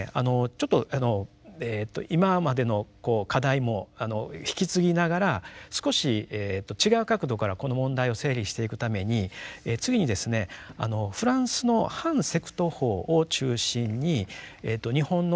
ちょっと今までのこう課題も引き継ぎながら少し違う角度からこの問題を整理していくために次にですねフランスの反セクト法を中心に日本のですね